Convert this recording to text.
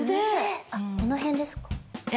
この辺ですか？